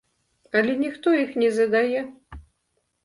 Але ніхто іх не задае.